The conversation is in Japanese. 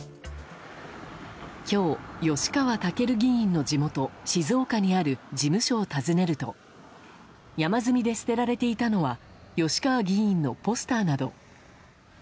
今日、吉猛議員の地元静岡にある事務所を訪ねると山積みで捨てられていたのは吉川議員のポスターなど。